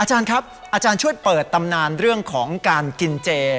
อาจารย์ครับอาจารย์ช่วยเปิดตำนานเรื่องของการกินเจ